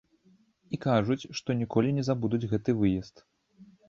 І кажуць, што ніколі не забудуць гэты выезд.